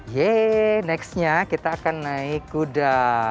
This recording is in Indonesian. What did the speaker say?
yeay nextnya kita akan naik kuda